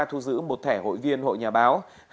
thu giữ một thẻ hội viên hội nhà báo